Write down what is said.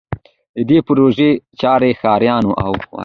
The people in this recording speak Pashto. د دې پروژې چارې ښاریانو او